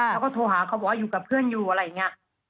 แล้วก็โทรหาเขาบอกว่าอยู่กับเพื่อนอยู่อะไรอย่างนี้